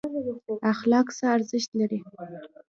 اخلاق څه ارزښت لري؟